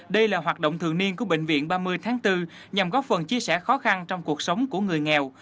đây là hoạt động thường niên của bệnh viện ba mươi tháng bốn nhằm góp phần chia sẻ khó khăn trong cuộc sống của người nghèo